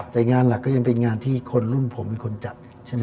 แต่งานหลักก็ยังเป็นงานที่คนรุ่นผมเป็นคนจัดใช่ไหม